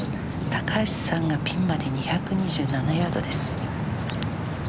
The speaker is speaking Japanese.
高橋さんがピンまで２２７ヤードです。